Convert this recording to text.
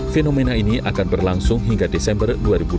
fenomena ini akan berlangsung hingga desember dua ribu dua puluh